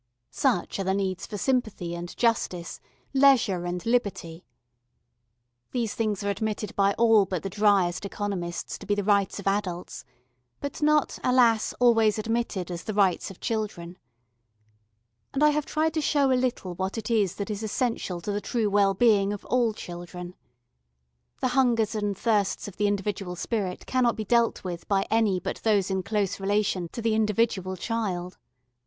Such are the needs for sympathy and justice, leisure and liberty. These things are admitted by all but the driest economists to be the rights of adults, but not, alas! always admitted as the rights of children. And I have tried to show a little what it is that is essential to the true well being of all children. The hungers and thirsts of the individual spirit cannot be dealt with by any but those in close relation to the individual child.